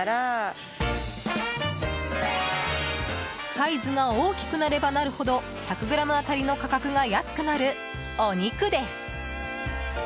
サイズが大きくなればなるほど１００ｇ当たりの価格が安くなるお肉です。